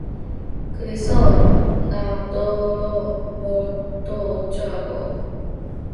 그래서 나더러 뭘 또 어쩌라고.